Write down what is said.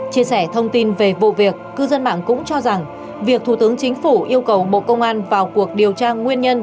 chia sẻ thông tin về vụ việc cư dân mạng cũng cho rằng việc thủ tướng chính phủ yêu cầu bộ công an vào cuộc điều tra nguyên nhân